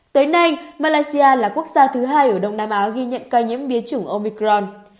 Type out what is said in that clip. tới nay malaysia là quốc gia thứ hai ở đông nam á ghi nhận ca nhiễm biến chủng omicron